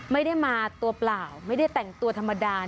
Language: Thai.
ไม่ได้มาตัวเปล่าไม่ได้แต่งตัวธรรมดา